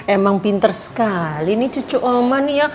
emang pinter sekali nih cucu oma nih ya